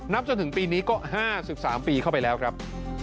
จนถึงปีนี้ก็๕๓ปีเข้าไปแล้วครับ